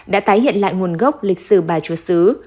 đã tái hiện lại nguồn gốc lịch sử bà chúa sứ